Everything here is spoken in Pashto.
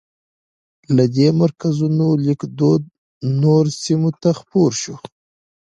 له دې مرکزونو لیکدود نورو سیمو ته خپور شو.